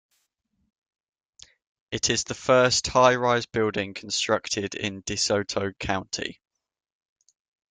It is the first high-rise building constructed in DeSoto County.